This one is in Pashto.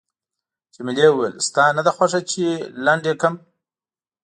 جميلې وويل:، ستا نه ده خوښه چې لنډ یې کړم؟